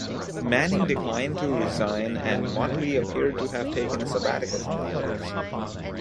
Manning declined to resign and Mottley appeared to have taken a sabbatical from politics.